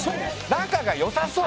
「仲が良さそう」。